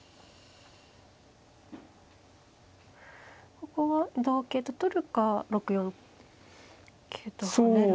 ここは同桂と取るか６四桂と跳ねるかの二択ですか。